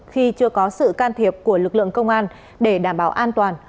khi chưa có sự can thiệp của lực lượng công an để đảm bảo an toàn